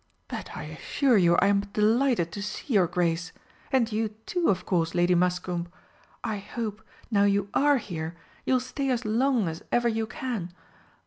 "But I assure you I'm delighted to see your Grace, and you too, of course, Lady Muscombe! I hope, now you are here, you will stay as long as ever you can.